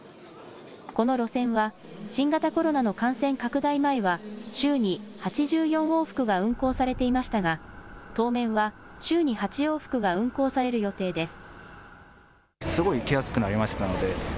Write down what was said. この路線は新型コロナの感染拡大前は週に８４往復が運航されていましたが当面は週に８往復が運航される予定です。